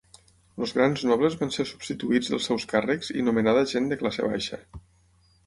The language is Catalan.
Els grans nobles van ser substituïts dels seus càrrecs i nomenada gent de classe baixa.